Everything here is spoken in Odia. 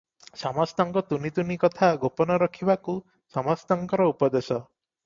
ସମସ୍ତଙ୍କ ତୁନି ତୁନି କଥା, ଗୋପନ ରଖିବାକୁ ସମସ୍ତଙ୍କର ଉପଦେଶ ।